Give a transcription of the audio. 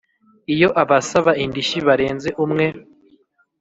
Iyo abasaba indishyi barenze umwe